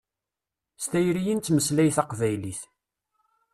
S tayri i nettmeslay taqbaylit.